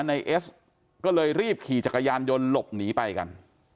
นายเอสก็เลยรีบขี่จักรยานยนต์หลบหนีไปกัน